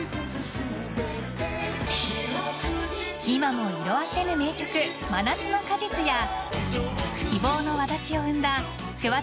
［今も色あせぬ名曲『真夏の果実』や『希望の轍』を生んだ］